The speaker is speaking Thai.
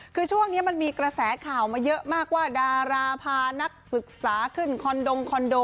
คือช่วงนี้มันมีกระแสข่าวมาเยอะมากว่าดาราพานักศึกษาขึ้นคอนดงคอนโด